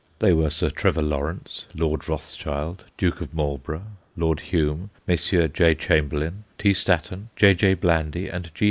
They were Sir Trevor Lawrence, Lord Rothschild, Duke of Marlborough, Lord Home, Messrs. J. Chamberlain, T. Statten, J.J. Blandy, and G.